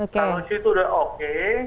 kalau situ sudah oke